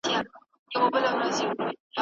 د زمرد کانونه خوندي نه دي.